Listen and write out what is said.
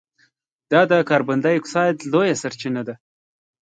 دا د کاربن ډای اکسایډ لویه سرچینه ده.